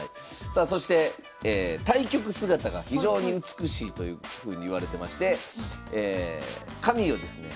さあそして対局姿が非常に美しいというふうにいわれてまして髪をですね